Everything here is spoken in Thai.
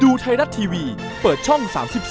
ไทยรัฐทีวีเปิดช่อง๓๒